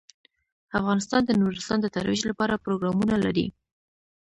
افغانستان د نورستان د ترویج لپاره پروګرامونه لري.